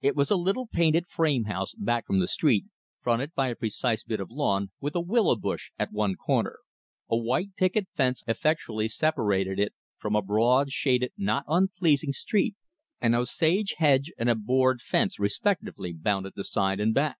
It was a little painted frame house, back from the street, fronted by a precise bit of lawn, with a willow bush at one corner. A white picket fence effectually separated it from a broad, shaded, not unpleasing street. An osage hedge and a board fence respectively bounded the side and back.